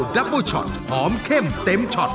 แรปเปอร์ช็อตหอมเข้มเต็มช็อต